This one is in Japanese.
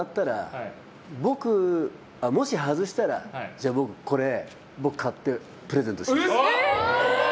もし外したら僕、これ買ってプレゼントします。